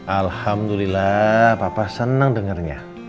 alhamdulillah papa senang dengarnya